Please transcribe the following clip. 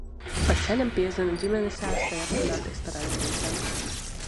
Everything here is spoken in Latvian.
Pa ceļam piezvanu ģimenes ārstei, aprunāties par analīzēm.